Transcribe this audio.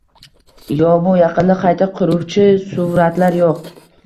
Yo‘q, bu yaqinda qayta quruvchi suvratlar yo‘q.